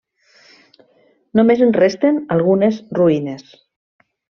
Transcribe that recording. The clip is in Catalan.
Només en resten algunes ruïnes.